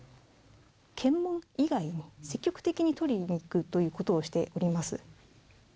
検問以外も、積極的に取りにいくということをしております。